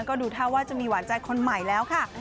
ก็ดูท่าว่าจะมีหวานใจคนใหม่แล้วค่ะ